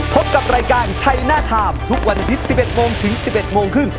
พบกับรายการชัยหน้าทามทุกวันอาทิตย์๑๑โมงถึง๑๑โมงครึ่ง